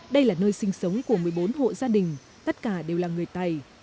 đây là nơi sinh sống của một mươi bốn hộ gia đình tất cả đều là người tày